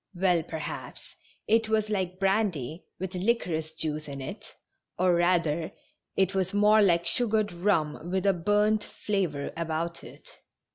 Well, per haps it was like brandy with liquorice juice in it, or, rather, it was more like sugared rum with a burnt fla vor about it.